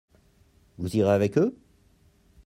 Vous irez avec eux ?